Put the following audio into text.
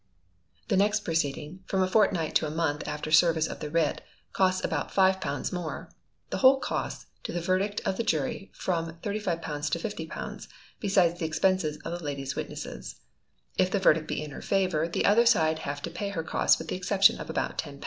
The next proceeding from a fortnight to a month after service of the writ costs about £5 more. The whole costs, to the verdict of the jury, from £35 to £50, besides the expenses of the lady's witnesses. If the verdict be in her favour, the other side have to pay her costs, with the exception of about £10.